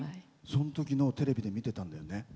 そのときのテレビで見てたんだよね。